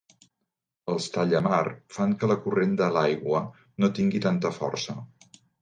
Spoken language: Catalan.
Els tallamar fan que la corrent de l'aigua no tingui tanta força.